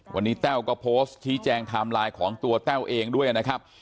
วันนี้แต้วก็โพสต์ชี้แจงไทม์ไลน์ของตัวแต้วเองด้วยนะครับ